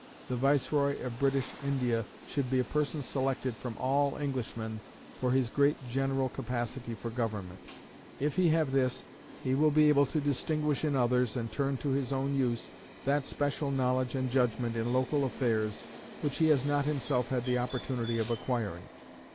The Viceroy of British India should be a person selected from all Englishmen for his great general capacity for government. If he have this, he will be able to distinguish in others, and turn to his own use, that special knowledge and judgment in local affairs which he has not himself had the opportunity of acquiring.